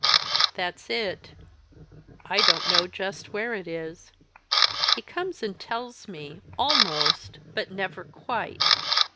"That's it I don't know just where it is. He comes and tells me, almost, but never quite.